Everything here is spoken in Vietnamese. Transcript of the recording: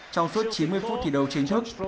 trong suốt chín mươi phút thi đấu chiến thức